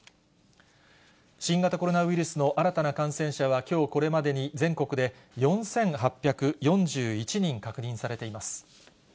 新型コロナウイルスの新たな感染者は、きょうこれまでに全国で４８４１人確認されています。